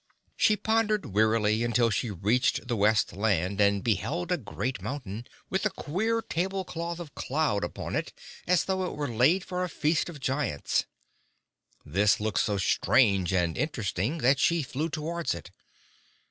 So she pondered wearily, until she reached the West Land, and beheld a great mountain, with a queer tablecloth of cloud upon it, as though it were laid for a feast of giants. This looked so strange and interesting that she flew towards it.